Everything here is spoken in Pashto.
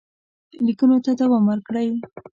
لیکونو ته دوام ورکړئ.